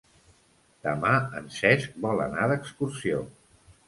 Demà en Cesc vol anar d'excursió.